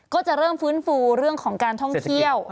ก็จะเริ่มฟื้นฟูเรื่องของการท่องเที่ยว